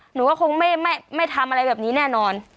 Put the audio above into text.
หนูก็คงไม่ทำอะไรแบบนี้แน่นอน